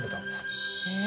へえ。